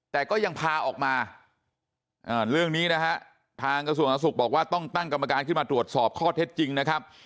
แต่ก็ยังพาออกมาเรื่องนี้นะฮะทางกระทรวงสาธาสุขบอกว่าต้องตั้งกรรมการขึ้นมาตรวจสอบข้อเท็จจริงนะครับ